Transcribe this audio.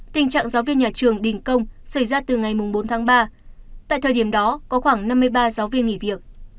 tình trạng giáo viên nhà trường đình công xảy ra từ ngày bốn tháng ba tại thời điểm đó có khoảng năm mươi ba giáo viên nghỉ việc